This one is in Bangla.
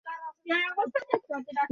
তিনি খুব অল্প বয়সে বিয়ে করেছিলেন।